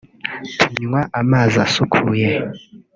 tunywa amazi asukuye